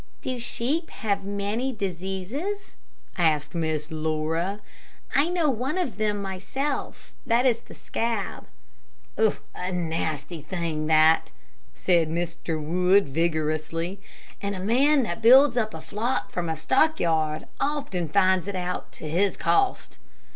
"Do sheep have many diseases?" asked Miss Laura. "I know one of them myself that is the scab." "A nasty thing that," said Mr. Wood, vigorously; "and a man that builds up a flock from a stockyard often finds it out to his cost."